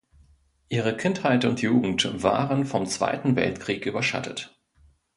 Ihre Kindheit und Jugend waren vom Zweiten Weltkrieg überschattet.